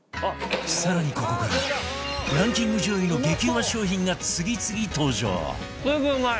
更にここからランキング上位の激うま商品が次々登場！